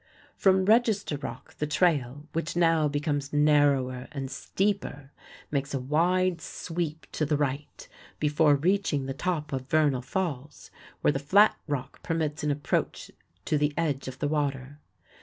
From Register Rock the trail, which now becomes narrower and steeper, makes a wide sweep to the right before reaching the top of Vernal Falls, where the flat rock permits an approach to the edge of the water.